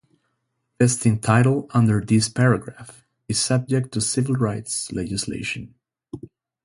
Vesting title under this paragraph is subject to civil rights legislation.